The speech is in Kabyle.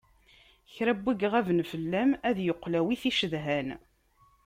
Kra win iɣaben fell-am, ad yeqqel ar win i t-icedhan.